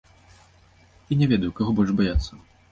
І не ведаю, каго больш баяцца.